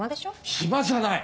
暇じゃない！